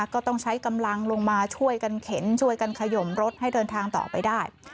ก็ต้องใช้กำลังลงมาช่วยกันเข็นช่วยกันขยมรถให้เดินทางต่อไปได้